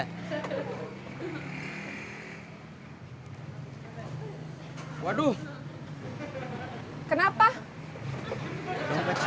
iya burden saya biasa